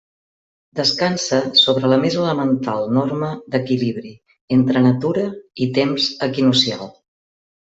Descansa sobre la més elemental norma d'equilibri entre natura i temps equinoccial.